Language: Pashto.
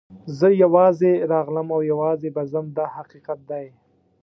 زه یوازې راغلم او یوازې به ځم دا حقیقت دی.